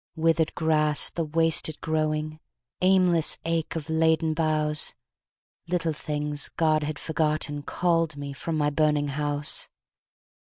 Withered grass, the wasted growing! Aimless ache of laden boughs!" Little things God had forgotten Called me, from my burning house.